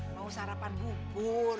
mau sarapan bubur